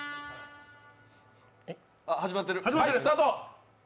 始まってる、スタート。